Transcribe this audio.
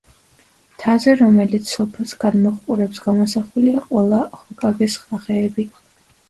მთაზე, რომელიც სოფელს გადმოჰყურებს გამოსახულია ყველა ჰოკაგეს სახეები.